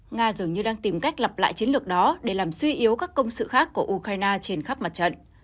nga dường như đang tìm cách lặp lại chiến lược đó để làm suy yếu các công sự khác của ukraine trên khắp mặt trận